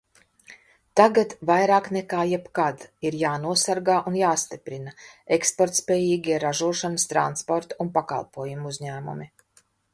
Tagad vairāk nekā jebkad ir jānosargā un jāstiprina eksportspējīgie ražošanas, transporta un pakalpojumu uzņēmumi.